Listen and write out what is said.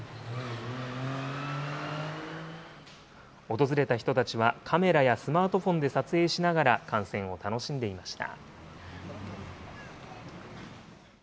訪れた人たちは、カメラやスマートフォンで撮影しながら、観戦を楽しんでいました。